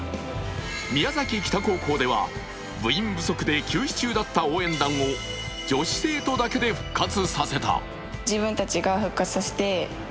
宮崎北高校では部員不足で休止中だった応援団を女子生徒だけで復活させた。